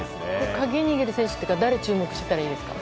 鍵を握る選手というか誰に注目したらいいですか？